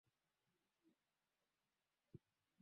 wakati viongozi baada ya uchaguzi wanajiamulia